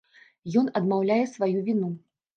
Ён адмаўляе сваю віну.